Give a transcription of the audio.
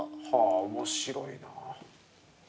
面白いな。